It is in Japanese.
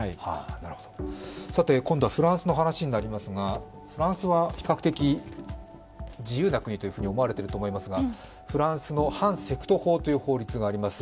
今度はフランスの話になりますがフランスは比較的自由な国と思われていると思いますがフランスの反セクト法という法律があります。